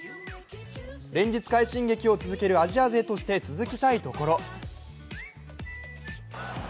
連日快進撃を続けるアジア勢として続きたいところ。